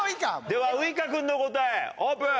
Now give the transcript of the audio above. ではウイカ君の答えオープン。